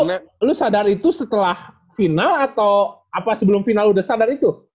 tapi lu lu sadar itu setelah final atau apa sebelum final udah sadar itu